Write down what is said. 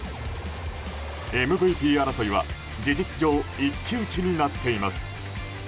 ＭＶＰ争いは事実上一騎打ちになっています。